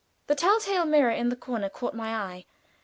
The tell tale mirror in the corner caught my eye.